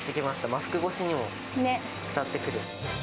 マスク越しにも伝わってくる。